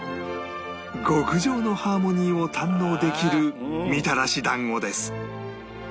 極上のハーモニーを堪能できるみたらし団子です